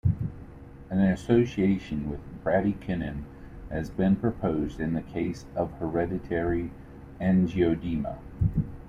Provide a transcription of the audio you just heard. An association with bradykinin has been proposed in the case of hereditary angioedema.